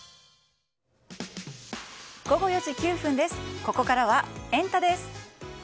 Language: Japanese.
ここからはエンタ！です。